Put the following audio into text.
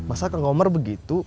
masa kang kobar begitu